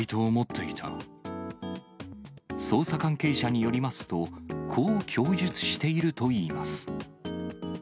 捜査関係者によりますと、こう供述しているといいます。